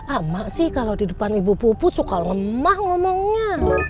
amak sih kalau di depan ibu puput suka lemah ngomongnya